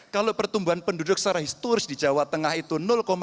kalau pertumbuhan penduduk secara historis di jawa tengah itu